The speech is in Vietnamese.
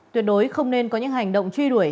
tuyệt đối không nên có những hành động truy đuổi